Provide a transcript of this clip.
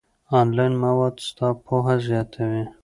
آنلاین مواد ستا پوهه زیاتوي.